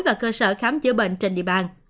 và cơ sở khám chữa bệnh trên địa bàn